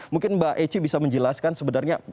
mungkin mbak eci bisa menjelaskan sebenarnya